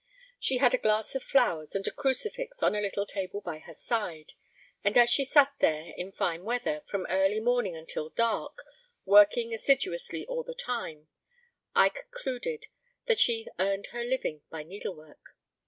She had a glass of flowers and a crucifix on a little table by her side; and as she sat there, in fine weather, from early morning until dark, working assiduously all the time, I concluded that she earned her living by needle work.